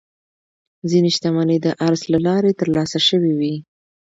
ځینې شتمنۍ د ارث له لارې ترلاسه شوې وي.